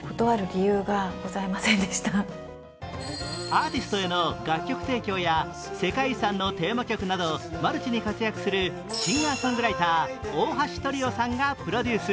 アーティストへの楽曲提供や「世界遺産」のテーマ曲などマルチに活躍するシンガーソングライター大橋トリオさんがプロデュース